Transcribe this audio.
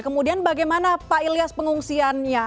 kemudian bagaimana pak ilyas pengungsiannya